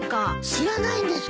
知らないんですか？